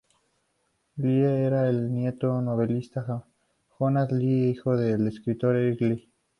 Lie era el nieto del novelista Jonas Lie e hijo del escritor Erik Lie.